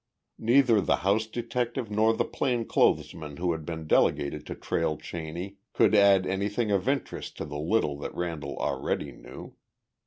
Neither the house detective nor the plain clothes man who had been delegated to trail Cheney could add anything of interest to the little that Randall already knew.